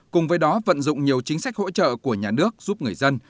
cùng với đó vận dụng nhiều chính sách hỗ trợ của nhà nước giúp người dân